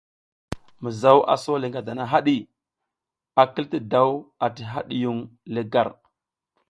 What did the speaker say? Mizaw a sole ngadana haɗi, a kil ti daw ati hadiyung le gar.